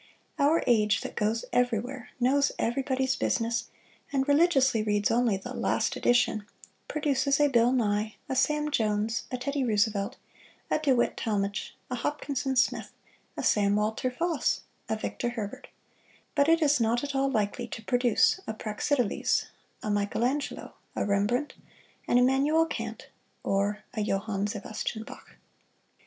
Our age that goes everywhere, knows everybody's business, and religiously reads only "the last edition," produces a Bill Nye, a Sam Jones, a Teddy Roosevelt, a DeWitt Talmage, a Hopkinson Smith, a Sam Walter Foss, a Victor Herbert; but it is not at all likely to produce a Praxiteles, a Michelangelo, a Rembrandt, an Immanuel Kant or a Johann Sebastian Bach.